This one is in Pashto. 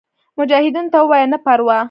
مجاهدینو ته ووایه نه پروا.